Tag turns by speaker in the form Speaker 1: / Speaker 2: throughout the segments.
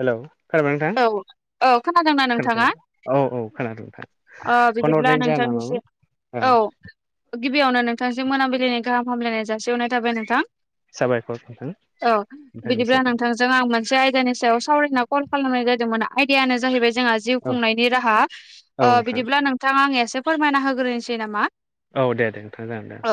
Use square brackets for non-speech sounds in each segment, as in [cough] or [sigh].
Speaker 1: हेल' खोनाबाय नोंथां
Speaker 2: औ औ खोनादोंना नोंथाङा
Speaker 1: खोनादों औ औ खोनादों नोंथां फन
Speaker 2: बिदिब्ला
Speaker 1: हरनायनि जाहोना मामोन
Speaker 2: नोंथांनिसिम
Speaker 1: ओ
Speaker 2: औ गिबियावनो नोंथांजों मोनाबिलिनि गाहाम हामलायनाय जासिहरनाय थाबाय नोंथां।
Speaker 1: साबायखर नोंथां
Speaker 2: औ बिदिब्ला
Speaker 1: नोंथांनिसिम
Speaker 2: नोंथां जों आं मोनसे आयदानि सायाव सावरायना कल खालामनाय जादोंमोन आयदायानो जाहैबाय जोंहा जिउ
Speaker 1: औ
Speaker 2: खुंनायनि राहा
Speaker 1: नोंथां
Speaker 2: बिदिब्ला नोंथां आं एसे फोरमायना होग्रोनोसै नामा
Speaker 1: औ दे दे नोंथां जागोन दे
Speaker 2: औ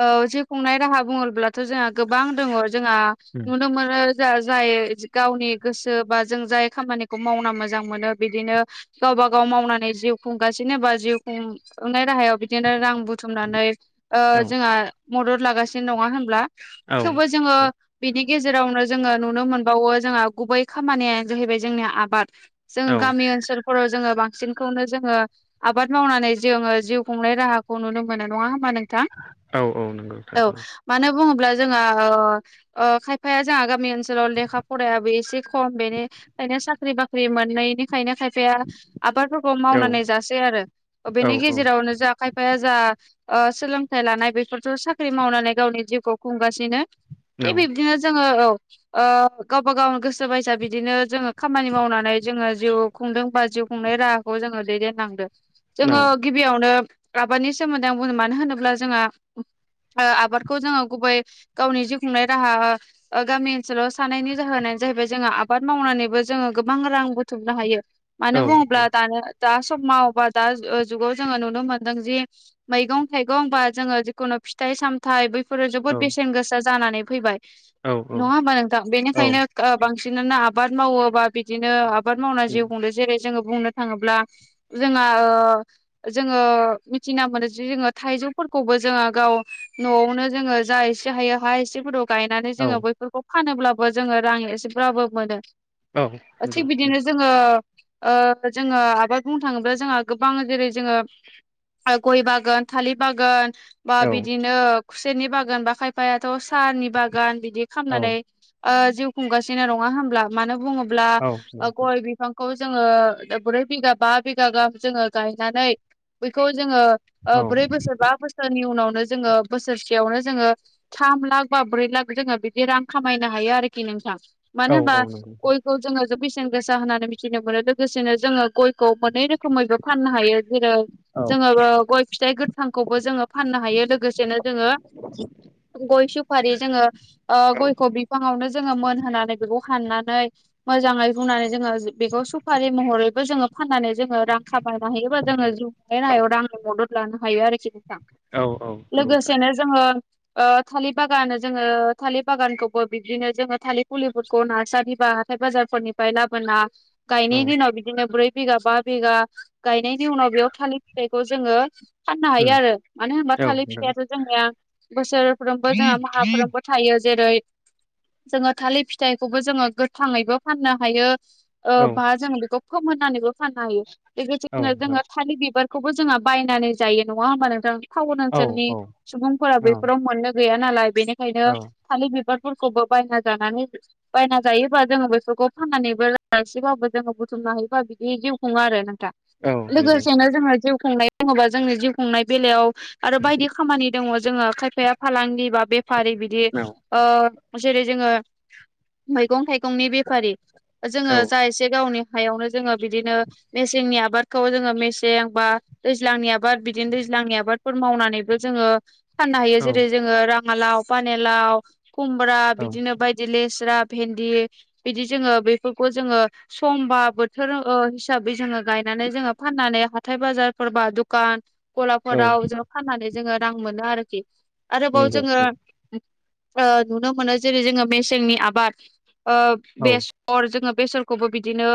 Speaker 2: औ जिउ खुंनाय राहा बुङोब्लाथ' जोंहा गोबां दङ जोंहा
Speaker 1: उम
Speaker 2: नुनो मोनो जा जाय गावनि गोसो बा जों जाय खामानिखौ मावना मोजां मोनो बिदिनो गावबा गाव मावनानै जिउ खुंगासिनो बा जिउ खुं संनाय राहायाव बिदिनो रां बुथुमनानै
Speaker 1: औ
Speaker 2: जोंहा मदद लागासिनो नङा होनब्ला
Speaker 1: औ
Speaker 2: थेवबो जोङो बिनि गेजेरावनो जोङो नुनो मोनबावो जोंहा गुबै खामानिया जाहैबाय जोंनिया आबाद जोङो
Speaker 1: औ
Speaker 2: गामि ओनसोलफोराव जोङो बांसिनखौनो जोङो आबाद मावनानै जोङो जिउ खुंनाय राहाखौ नुनो मोनो नङा होमबा नों थां
Speaker 1: औ औ नंगौ नोंथां
Speaker 2: औ मानो बुङोब्ला जोंहा खायफाया जोंहा गामि ओनोल लाव लेखा फरायाबो एसे खम बेनिखायनो साख्रि बाख्रि मोननायनिखायनो खाय फाया आबादफोरखौ
Speaker 1: औ
Speaker 2: मावनानै जासै आरो बेनि
Speaker 1: औ
Speaker 2: गेजेरावनो जोंहा फाया जा सोलोंथाइ लाना बेफोरथ' साख्रि मावनानै गावनि जिउखौ खुंगासिनो थिग बिब्दिनो जोङो औ गावबा गावनो गोसो बायसा बिदिनो जोङो खामानि मावनानै जोङो जिउ खुंदों बा जिउ खुंनाय राहाखौ जोङो दैदेनलांदों
Speaker 1: औ
Speaker 2: जोङो गिबियावनो आबादनि सोमोन्दै आं बो मानो होनोब्ला जोंहा आबादखौ जोङो गुबै गावनि जिउ खुंनाय राहा गामि ओनसोलाव थानायनि जाहोनानो जाहैबाय जोङो आबाद मावनानै जोङो गोबां रां बुथुमनो हायो मानो बुङोब्ला दानो दा समाव बा दा जुगाव जोङो नुनो मोनदों जि मैगं थाइगं बा जोङो जिखुनु फिथाइ साम नाथाय बैफोरो
Speaker 1: औ
Speaker 2: जोबोद बेसेन गोसा जानानै फैबाय
Speaker 1: औ
Speaker 2: नङा होमबा नोंथां
Speaker 1: औ
Speaker 2: बेनिखायनो बांसिनानो आबाद मावोबा बिदिनो आबाद मावनानै
Speaker 1: उम
Speaker 2: जिउ बुंदों जेरै जोङो बुंनो थाङोब्ला जोंना ओ जोङो मिथिना मोनो जे जोङो थाइजौफोरखौबो जोङो गाव न'आवनो जोङो जा एसे हायो हा एसेफोराव गायनानै
Speaker 1: औ
Speaker 2: जोङो बैफोरखौ फानोब्लाबो जोङो रां एसेब्लाबो मोनो थि
Speaker 1: नंगौ
Speaker 2: बिदिनो जोङो ओ जोङो आबाद बुंनो थाङोब्ला जोंहा गोबां जेरै जोङो गय बागान थालिर बागान बा
Speaker 1: औ
Speaker 2: बिदिनो खुसेरनि बागान बा खायफायाथ' साहानि बागान बिदि
Speaker 1: औ
Speaker 2: खालामनानै ओ जिउ खुंगासिनो नङा होमब्ला मानो बुङोब्ला
Speaker 1: नंगौ नोंथां
Speaker 2: गय बिफां खौ जोङो ब्रै बिगा बा बिगा गाहाम जोङो गायनानै बेखौ जोङो
Speaker 1: औ
Speaker 2: ओ ब्रै बोसोर बा बोसोरनि उनावनो जोङो बोसोरसेयावनो जोङो थाम लाख बा ब्रै लाख जोङो बिदि रां खामायनो हायो आरोखि नोंथां
Speaker 1: औ
Speaker 2: मानो होनबा
Speaker 1: औ नंगौ नोंथां
Speaker 2: खौ जोङो बेसेन गोसा होननानै मिथिनो मोनो लोगोसेनो जोङो गयखौ मोनै रोखोमैबो फाननो हायो जेरै
Speaker 1: औ औ
Speaker 2: जोङो गय फिथाइ गोथांखौबो जोङो फाननो हायो लोगोसेनो जोङो गय सुफारि जोङो ओ गयखौ बिफाङावनो जोङो मोनहोनानै बेखौ हानना नाय मोजाङै बुंनानै जोङो बेखौ सुफारि महरैबो जोङो फाननानै जोङो रां खामायनो हायोबा जोङो नायाव आंनि मदद लानो हायो आरोखि नोंथां
Speaker 1: औ औ नंगौ नोंथां
Speaker 2: लोगोसेनो जोङो थालिर बागान जोङो थालिर बागानखौबो बिब्दिनो जोङो थालिर फुलिफोरखौ नार्सारि बा हाथाय बाजारफोरनिफ्राय लाबोना
Speaker 1: औ
Speaker 2: गायनाय दिनाव बिदिनो ब्रै बा बिघा बा बिघा गायनायनि उनाव बेयाव थालिर फिथाइखौ जोङो फाननो हायो
Speaker 1: उम
Speaker 2: आरो मानो होनबा
Speaker 1: औ
Speaker 2: थालिर
Speaker 1: नंगौ
Speaker 2: फिथाइाथो जोंनिया बोसोरफ्रोमबो जोंहा माहाफ्रोमबो थायो जेरै जोङो थालिर फिथाइखौबो जोङो गोथाङैबो फाननो हायो ओ
Speaker 1: औ
Speaker 2: बा जोङो बेखौ खोमहानैबो फाननो हायो
Speaker 1: औ
Speaker 2: लोगोसेनो जोङो थालिर बिबार खौबो जोंहा बायनानै जायो नङा होमबा नोंथां टाउन ओनसोलनि सुबुंफोरा
Speaker 1: औ
Speaker 2: बेफोराव मोननो गैया नालाय
Speaker 1: औ
Speaker 2: बेनिखायनो थालिर बिबारफोरखौबो बायना जानानै बायना जायो। जोङो बेसोरखौ फाननानैबो लासेबाबो जोङो बुथुमनो हायोबा बिदि जिउ खुङो आरो नोंथां
Speaker 1: औ
Speaker 2: लोगोसेनो जोंहा जिउ खुंनाय बुङोबा जोंनि जिउ खुंनाय बेलायाव आरो बायदि खामानि दङ जोङो खायफाया फालांगि बा बेफारि बिदि
Speaker 1: नंगौ
Speaker 2: ओ जेरै जोङो मैगं थाइगंनि बेफारि जोङो जा एसे गावनि हायावनो जोङो बिदिनो मेसेंनि आबादखौ जोङो मेसें बा दैज्लांनि आबाद बिदिनो दैज्लांनि आबाद फोर मावनानैबो जोङो फाननो हायो जेरै
Speaker 1: औ
Speaker 2: जोङो राङालाव पानिालाव खुमब्रा
Speaker 1: औ
Speaker 2: बिदिनो बाय बिदि लेस्रा भेन्दि बिदि जोङो बेफोरखौ जोङो समबा बोथोर हिसाबै जोङो गायनानै जोङो फाननानै हाथाय बाजारफोरबा दुखान गलाफोराव
Speaker 1: औ
Speaker 2: जोो फाननानै जोङो रां मोनो आरोखि आरोबाव जोङो नुनो मोनो जेरै जोङो मेसेंनि आबाद
Speaker 1: नंगौ
Speaker 2: ओ बेस सर जोङो बेसरखौबो बिदिनो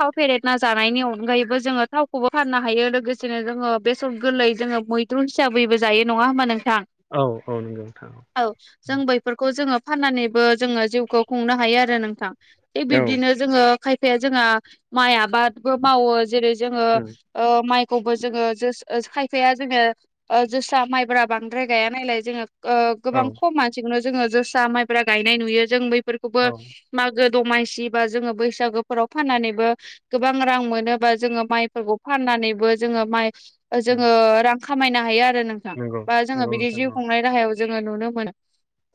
Speaker 2: थाव फेरेेरना जानायनि अनगायैबो जोङो थावखौबो फाननो हायो लोगोसेनो जोङो बेसर गोरलै जोङो मै द्रु हिसाबैबो जायो नङा होमबा नोंथां
Speaker 1: औ औ औ नोंगौ नोंथां औ
Speaker 2: औ जों बैफोरखौ जोङो फाननानैबो जोङो जिउखौ खुंनो हायो आरो नोंथां थिग
Speaker 1: औ
Speaker 2: बिब्दिनो जोङो खायफाया जोंहा माइ आबादबो मावो जेरै जोङो
Speaker 1: उम
Speaker 2: माइखौबो जोङो जोस खायफाया जोङो ओ जोसा माइब्रा बांद्राय गाया नायलाय जोङो ओ
Speaker 1: औ
Speaker 2: गोबां खम मानसिखौनो जोङो जोसा माइफ्रा गायनाय नुयो जों बैफोरखौ
Speaker 1: [unintelligible]
Speaker 2: मागो दमासि बा जोङो बैसागोफोराव फाननानैबो गोबां रां मोनोबा जोङो माइफोरखौ फाननानैबो जोङो माइ जोङो रां खामायनो हायो। आरो नोंथां
Speaker 1: नंगौ
Speaker 2: बा जोङो
Speaker 1: नंगौ
Speaker 2: बिदि
Speaker 1: नोंथां
Speaker 2: जिउ खुंनाय राहायाव जोङो नुनो मोनो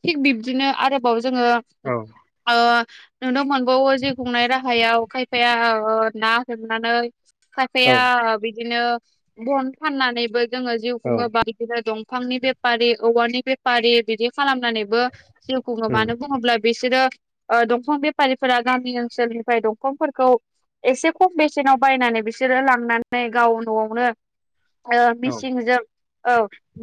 Speaker 2: थिग बिब्दिनो आरोबाव जोङो।
Speaker 1: औ
Speaker 2: ओ नुनो मोनबावो जिउ खुंनाय राहायाव खायफाया ओ ना हमनानै
Speaker 1: औ
Speaker 2: खायफाया ओ बिदिनो बन फाननानैबो जोङो जिउ
Speaker 1: औ
Speaker 2: खुङो बा बिदिनो दंफांनि बेपारि औवानि बेपारि बिदि खालामनानै बो जिउ खुङो मानो बुङोब्ला बिसोरो ओ दंफां बेपारिफोरा गामि ओनसोलनिफ्राय दंफांफोरखौ एसे खम बेसेनाव बायनानै बिसोरो लांनानै गाव न'आवनो ओ मिसिंजों औ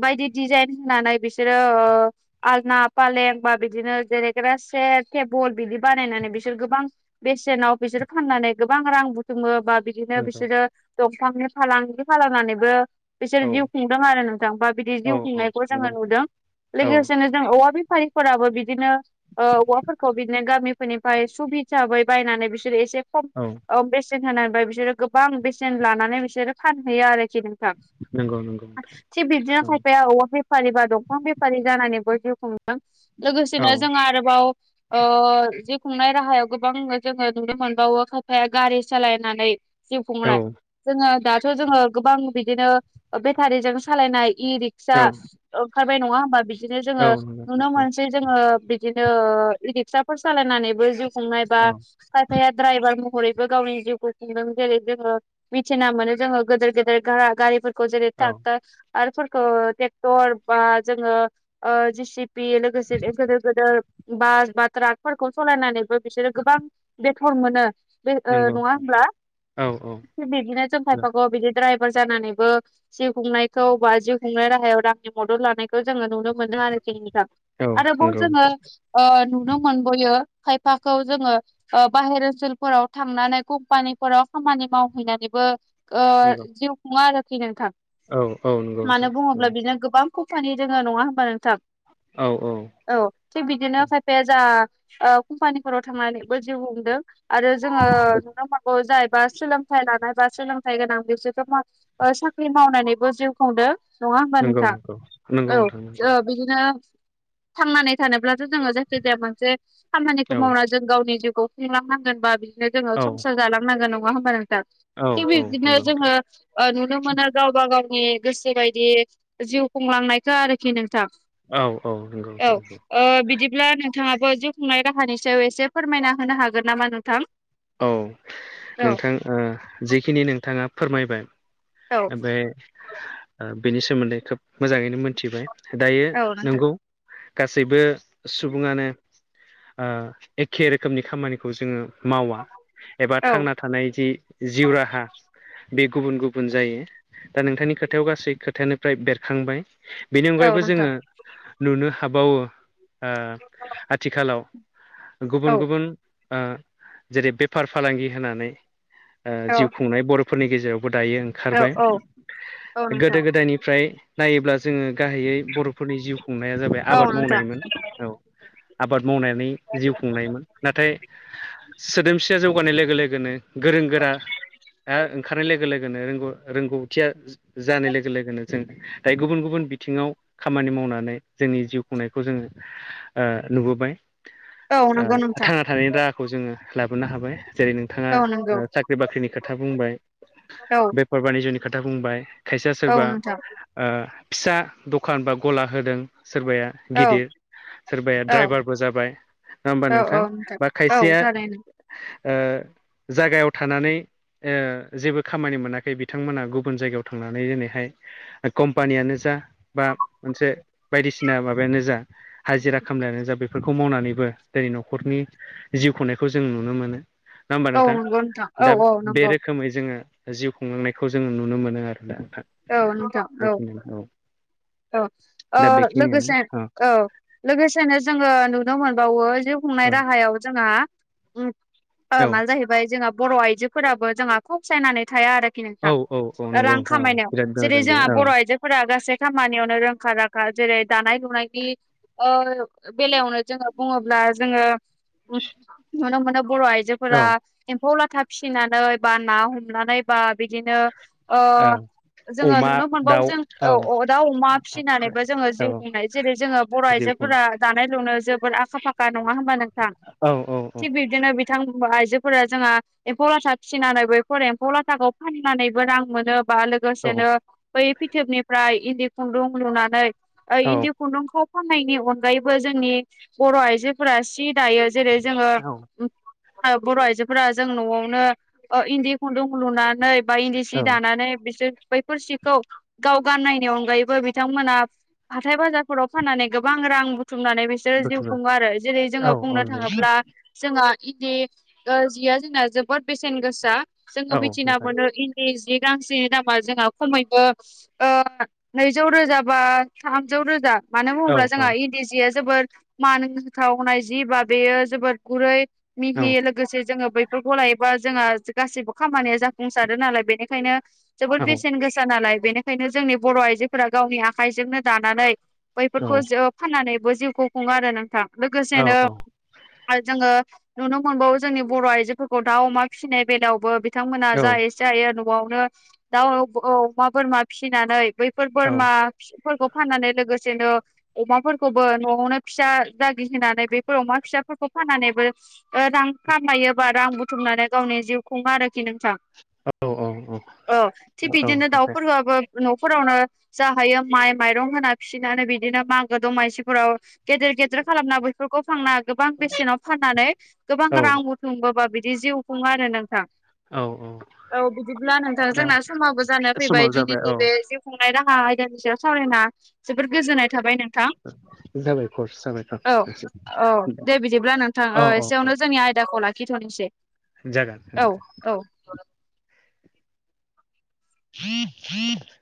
Speaker 2: बायदि डिजाइन होनानै बिसोरो ओ आलना पालें बा बिदिनो जिरैग्रा सेद टेबोल बिदि बानायनानै बिसोर गोबां बेसेनाव बिसोर फाननानै गोबां रां बुथुमो बा बिदिनो बिसोरो दंफांनि फालांगि खालामनानैबो बिसोर जिउ
Speaker 1: औ उम
Speaker 2: खुंदों आरो नोंथां बा बिदि
Speaker 1: औ
Speaker 2: जिउ खुंनायखौ
Speaker 1: नंगौ
Speaker 2: जोङो नुदों।
Speaker 1: औ
Speaker 2: लोगोसेनो जों औवा बेफारिफोराबो बिदिनो ओ औवाफोर बिदिनो गामिफोरनिफ्राय सुब हिसाबै बायनानै बिसोरो एसे खम
Speaker 1: औ
Speaker 2: ओ बेस बेसेन होनानै फ्राय बिसोरो गोबां बेसेन लानानै बिसोरो फानहैयो आरोखि नोंथां।
Speaker 1: नंगौ नोंथां
Speaker 2: थिग बिदिनो
Speaker 1: औ
Speaker 2: खायफाया औवा बेफारि बा दंफां बेफारि जानानैबो जिउ खुं
Speaker 1: औ
Speaker 2: लोगोसेनो जों आरोबाव ओ जि खुंनाय राहायाव गोबां जोङो नुनो मोनबावो खायफाया गारि सालायनानै जिउ खुंनाय जोङो दाथ' जोङो गोबां बिदिनो बेटारिजों सालायनाय इ रिक फिसा
Speaker 1: नंगौ
Speaker 2: ओंखारबाय नङा होमबा बिदिनो जोङो
Speaker 1: नंगौ
Speaker 2: नुनो
Speaker 1: नोंथां औ
Speaker 2: मोनसै जोङो बिदिनो ओ इ-रिक्साफोर सालायनानैबो जिउ खुंनाय बा।
Speaker 1: औ
Speaker 2: खथायाया ड्राइभार महरैबो गावनि जिउखौ खुंदों। जेरै जोङो मिथिना मोनो जोङो, गोदेर गेदेर गारा-गारिफोरखौ जेरै
Speaker 1: औ नंगौ नोंथां औ
Speaker 2: त्रागा आरोफोरखौ टेक्टर बा जोङो ओ जिसिपि लोगोसे गोदोर गोदोर बास। बा ट्राकफोरखौ सलायनानैबो बिसोरो गोबां बेथर मोनो। बे ओ
Speaker 1: नंगौ
Speaker 2: नङा ओमब्ला
Speaker 1: औ औ
Speaker 2: बिदिनो जों खायफागौ बिदि ड्राइभार जानानैबो जिउ खुंनायखौ बा जिउ खुंनाय राहायाव रांनि मदद लानायखौ जोङो नुनो मोनो आरोखि नोंथां। आरोबाव
Speaker 1: नंगौ
Speaker 2: जोङो
Speaker 1: नोंथां
Speaker 2: ओ नुनो मोनबोयो खायफाखौ जोङो ओ बाहेर ओनसोलफोराव थांनानै कम्पानिफोराव खामानि मावहैनानैबो ओ
Speaker 1: नंगौ
Speaker 2: जिउ खुङा आरोखि नोंथां।
Speaker 1: औ औ नंगौ
Speaker 2: मानो
Speaker 1: नोंथां औ
Speaker 2: बुङोब्ला बिना गोबां। खम्पानि दोङो नङा होमबा नोंथां।
Speaker 1: औ औ।
Speaker 2: औ थिग बिदिनो खायफाया जा ओ कम्पानिफोराव थांनानैबो जिउ खुंदों। आरो जोङो नुनो मोनगौ जा एबा सोलोंथाइ लानाय बा सोलोंथाइ गोनां बिसोरखो ओ साख्रि मावनानैबो जिउ खुंदो नङा होमबा
Speaker 1: नंगौ
Speaker 2: नोंथां
Speaker 1: नंगौ नंगौ
Speaker 2: औ
Speaker 1: नोंथां नंगौ
Speaker 2: ओ बिदिनो थांनानै थानोब्लाथ' जोङो जायखि जाया मोनसे खामानिखौ
Speaker 1: औ
Speaker 2: मावना जों गावनि जिउखौ खुंलांनांगोन बा बिदिनो जोङो
Speaker 1: औ
Speaker 2: संसार जालांनांगोन नङा होमबा नोंथां।
Speaker 1: औ
Speaker 2: थिग
Speaker 1: औ
Speaker 2: बिबदिनो
Speaker 1: नंगौ नोंथां
Speaker 2: जोङो ओ नुनो मोनो गावबा गावनि गोसो बायदि जिउ खुंलांनायखौ आरोखि नोंथां।
Speaker 1: औ औ नंगौ
Speaker 2: औ
Speaker 1: नंगौ।
Speaker 2: ओ बिदिब्ला नोंथाङाबो जिउ खुंनाय राहानि सायाव एसे फोरमायना होनो हागोन नामा नोंथां।
Speaker 1: औ
Speaker 2: औ
Speaker 1: नोंथां ओ जिखिनि नोंथाङा फोरमायबाय
Speaker 2: औ
Speaker 1: ओ बे ओमफ्राय बेनि सोमोन्दै खोब मोजाङैनो मोनथिबाय दायो
Speaker 2: औ नोंथां
Speaker 1: नंगौ गासैबो सुबुङानो ओ एखे रोखोमनि खामानिखौ जोङो मावा एबा
Speaker 2: औ
Speaker 1: थांना थानाय जि जिउ राहा। बे गुबुन गुबुन जायो। दा नोंथांनि खोथायाव गासै खोथायानोफ्राय बेरखांबाय। बेनि
Speaker 2: औ
Speaker 1: अनगायैबो
Speaker 2: नोंथां
Speaker 1: जोङो नुनो हाबावो ओ आथिखालाव
Speaker 2: औ
Speaker 1: गुबुन गुबुन जेरै बेफार फालांगि होनानै
Speaker 2: औ
Speaker 1: जिउ खुंनाय बर'फोरनि गेजेरावबो दायो
Speaker 2: औ
Speaker 1: खारबाय
Speaker 2: औ औ
Speaker 1: गोदो
Speaker 2: नोंथां
Speaker 1: गोदायनिफ्राय नायोब्ला जोङो गाहायै बर'फोरनि जिउ खुंनाया जाबाय
Speaker 2: औ
Speaker 1: आबाद
Speaker 2: नोंथां
Speaker 1: मावनायमोन औ आबाद मावनानै जिउ खुंनायमोन नाथाय सोदोमसिया जौगानाय लोगो लोगोनो गोरों गोरा दा ओंखारनाय लोगो लोगोनो रोंगौ रोंगौथिया जानाय लोगो लोगोनो जों दायो गुबुन गुबुन बिथिङाव खामानि मावनानै जोंनि जिउ खुंनायखौ जोङो नुबोबाय
Speaker 2: औ नंगौ नोंथां
Speaker 1: थांना थानायनि राहाखौ जोङो लाबोनो हाबाय जेरै नों बिथाङा
Speaker 2: औ नंगौ
Speaker 1: साख्रि बाख्रिनि खोथा बुंबाय
Speaker 2: औ
Speaker 1: बेफार बानिज्यनि खोथा बुंबाय खायसेया
Speaker 2: औ
Speaker 1: सोरबा
Speaker 2: नोंथां
Speaker 1: फिसा दखान बा गला होदों सोरबाया
Speaker 2: औ
Speaker 1: गिदिर सोरबाया
Speaker 2: औ
Speaker 1: द्राइभारबो जाबाय नङा होमबा
Speaker 2: औ औ
Speaker 1: नोंथां बा
Speaker 2: औ
Speaker 1: खायसेया
Speaker 2: थारैनो
Speaker 1: जायागायाव थानानै जेबो खामानि मोनाखै बिथांमोना गुबुन जायगायाव थांनानै दिनैहाय कम्पानियानो जा बा मोनसे बायदिसिना माबायानो जा हाजिरा खामलायानो जा बेफोरखौ मावनानैबो दिनै न'खरनि जिउ खुंनायखौ जों नुनो मोनो नङा होमबा
Speaker 2: औ
Speaker 1: नोंथां
Speaker 2: नंगौ नोंथां औ
Speaker 1: दा
Speaker 2: औ
Speaker 1: बे
Speaker 2: नंगौ
Speaker 1: रोखोमै जोङो जिउ खुंलांनायखौ जोङो नुनो मोनो आरो दा
Speaker 2: औ नोंथां औ औ औ
Speaker 1: दा बेखिनियानो
Speaker 2: लोगोसे औ लोगोसेनो जोङो नुनो मोनबावो जिउ खुंनाय
Speaker 1: औ
Speaker 2: राहायाव जोंहा
Speaker 1: औ
Speaker 2: मा जाहैबाय जोंहा बर' आइजोफोराबो जोंहा फावसायनानै थाया आरो न स
Speaker 1: औ औ औ नंगौ
Speaker 2: रां
Speaker 1: नोंथां औ
Speaker 2: खामायनायाव
Speaker 1: बिराद
Speaker 2: जेरै
Speaker 1: मोजां बे
Speaker 2: जोंहा
Speaker 1: औ
Speaker 2: बर' आइजोफोरा गासै खामानियावनो रोंखा राखा जेरै दानाय लुनायनि बेलायावनो जोङो बुङोब्ला जोङो नुनो मोनो बर'
Speaker 1: औ
Speaker 2: आइजोफोरा एम्फौ लाथा फिसिनानै बा ना हमनानै बा बिदिनो
Speaker 1: औ
Speaker 2: जोङो
Speaker 1: अमा
Speaker 2: नुनो मोनबावो
Speaker 1: दाउ
Speaker 2: जों
Speaker 1: औ
Speaker 2: अ दाउ अमा फिसिनानैबो जोङो
Speaker 1: औ
Speaker 2: जिउ खुंनाय जेरै जोङो बर'
Speaker 1: जिउ खुं
Speaker 2: आइजोफोरा दानाय लुनो जोबोर आखा फाखा नङा होमबा नोंथां
Speaker 1: औ औ औ
Speaker 2: थिग बेदि बिदिनो बिथां आइजोफोरा जोंहा एम्फौ लाथा फिनानैबोफोरो एम्फौ लाथाखौ फाननानैबो रां मोनो बा लोगो
Speaker 1: औ
Speaker 2: लोगोसेनो बै फिथोबनिफ्राय इन्दि खुन्दुं लुनानै ओ
Speaker 1: औ
Speaker 2: इन्दि खुन्दुंखौ फाननायनि अनगायैबो जोंनि बर' आइजोफोरा सि दायो जेरै जोङो
Speaker 1: औ
Speaker 2: बर' आइजोफोरा जों न'आवनो इन्दि खुन्दुं लुनानै बा इन्दि सि
Speaker 1: औ
Speaker 2: दानानै बिसोर बैफोर सिखौ गाव गाननायनि अनगायैबो बिथांमोना हाथाय बाजारफोराव फाननानै गोबां रां बुथुमनानै बेसे बिसोर जिउ
Speaker 1: बुथुमो
Speaker 2: खुङो आरो जेरै
Speaker 1: औ
Speaker 2: जोङो
Speaker 1: औ
Speaker 2: बुंनो
Speaker 1: नंगौ
Speaker 2: थाङोब्ला जोंहा इन्दि जिया जोंना जोबोद बेसेन गोसा जोङो
Speaker 1: नोंथां औ
Speaker 2: मिथिना
Speaker 1: नोंथां
Speaker 2: मोनो इन्दि जि गांसेनि दाम बा जोंहा खमैबो नैजौ रोजा बा थामजौ रोजा मानो
Speaker 1: औ
Speaker 2: बुङोब्ला
Speaker 1: औ
Speaker 2: जोंहा इ न्दि जिया जोबोर मान होथावनाय जि बा बेयो जबोर गुरै
Speaker 1: औ
Speaker 2: मिहि लोगोसे जोङो बैफोरखौ लायोबा जोंहा गासैबो खामानिया जाफुंसारो नालाय बेनिखायनो जोबोद
Speaker 1: औ
Speaker 2: बेसेन गोसा नालाय बेनिखायनो जोंनि बर' आइजोफोरा गावनि आखाइजोंनो दानानै
Speaker 1: औ
Speaker 2: बैफोरखौ ज फाननानैबो जिउखौ खुङो आरो नोंथां लोगोसेनो आरो जोङो नुनो मोनबावो जोंनि बर' आइजोफोरखौ दाउ अमा फिसिनाय बेलायावबो बिथांमोना जा इसे हायो न'आवनो दाउ अमा बोरमा फिसिनानै बैफोर बोरमाफोरखौ फाननानै लोगोसेनो अमाफोरखौबो न'आवनो फिसा जागि होनानै बेफोर अमा फिसाफोरखौ फाननानैबो रां खामायोबा रां बुथुमनानै गावनि जिउ खुङो आरोखि नोंथां
Speaker 1: औ औ औ
Speaker 2: औ थिग बिदिनो
Speaker 1: दे
Speaker 2: दाउफोरबाबो न'फोरावनो जा हायो माइ माइरं होना फिसिनानै बिदिनो मागो दमासिफोराव गेदेर गेदेर खालामना फोरखौ फानना गोबां बेसेनाव फाननानै गोबां
Speaker 1: औ
Speaker 2: रां सुंबोबा बिदि जिउ खुङो आरो नोंथां
Speaker 1: औ औ
Speaker 2: औ बिदिब्ला नों- -थां
Speaker 1: दा
Speaker 2: जोंना समाबो जाना फैबाय
Speaker 1: समाव जाबाय औ
Speaker 2: दिनैनि बे जिउ खुंनाय राहा आयदानि सायाव सावरायना जोबोद गोजोननाय थाबाय नों- -थां
Speaker 1: जाबाय कर्स जाबाय
Speaker 2: औ औ दे बिदिब्ला नोंथां
Speaker 1: औ औ
Speaker 2: एसेयावनो जोंनि आयदाखौ ला- -खिथ'नोसै।
Speaker 1: जागोन नोंथां। [unintelligible]